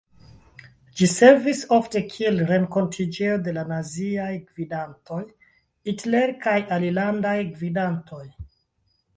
Ĝi servis ofte kiel renkontiĝejo de la naziaj gvidantoj, Hitler kaj alilandaj gvidantoj.